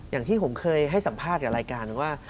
อย่างที่ผมเคยให้สัมภาษณ์กับรายการว่า